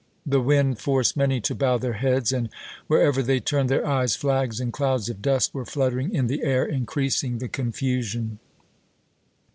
The wind forced many to bow their heads, and, wherever they turned their eyes, flags and clouds of dust were fluttering in the air, increasing the confusion.